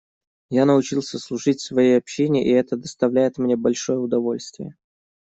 Я научился служить своей общине, и это доставляет мне большое удовольствие.